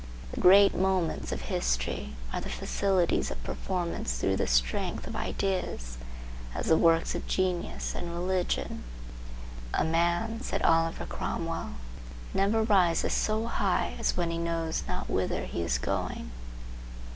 The great moments of history are the facilities of performance through the strength of ideas, as the works of genius and religion. "A man," said Oliver Cromwell, "never rises so high as when he knows not whither he is going."